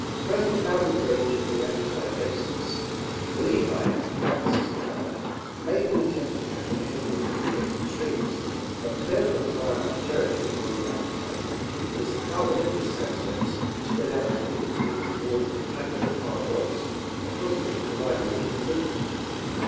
Present outward drainage of the Anthracite basins. — The Lehigh, like the Susquehanna, made an attempt to capture the headwaters of adjacent streams, but failed to acquire much terri tory from the Anthracite because the Carboniferous sandstones spread out between the two in a broad plateau of hai'd rocks, across which the divide made little movement.